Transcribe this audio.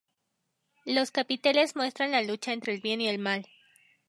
Los capiteles muestran la lucha entre el bien y el mal.